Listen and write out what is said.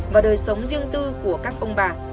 và đời sống riêng tư của các ông bà